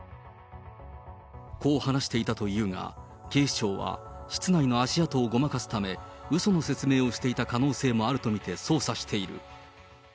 こう話していたというが、警視庁は、室内の足跡をごまかすため、うその説明をしていた可能性もあると見て捜査している。